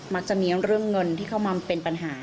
มักจะเนี้ยงเรื่องเงินที่เข้ามาเป็นปัญหา